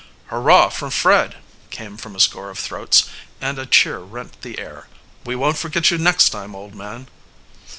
"Hurrah for Fred!" came from a score of throats, and a cheer rent the air. "We won't forget you next time, old man!"